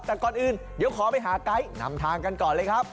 แต่ก่อนอื่นเดี๋ยวขอไปหาไกด์นำทางกันก่อนเลยครับ